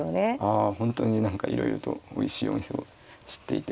あ本当に何かいろいろとおいしいお店を知っていて。